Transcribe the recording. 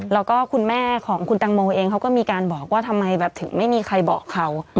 แล้วก็คุณแม่ของคุณตังโมเองเขาก็มีการบอกว่าทำไมแบบถึงไม่มีใครบอกเขา